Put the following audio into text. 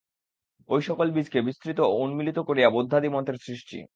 ঐ সকল বীজকে বিস্তৃত ও উন্মীলিত করিয়া বৌদ্ধাদি মতের সৃষ্টি।